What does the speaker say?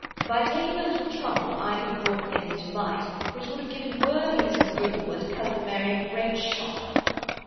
By taking a little trouble I could have brought things to light which would have given worthy Mrs. Goodall and cousin Mary a great shock.